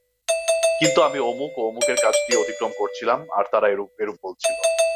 কিন্তু আমি অমুক ও অমুকের কাছ দিয়ে অতিক্রম করছিলাম আর তারা এরূপ এরূপ বলছিল।